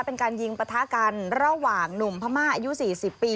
เป็นการยิงปะทะกันระหว่างหนุ่มพม่าอายุ๔๐ปี